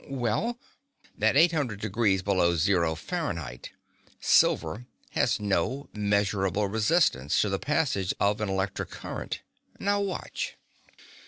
"Well?" "At eight hundred degrees below zero Fahrenheit silver has no measurable resistance to the passage of an electric current. Now watch."